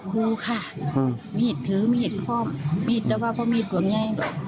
คูขามีดถือมีดคอบมีดแล้วเขามีดตัวไง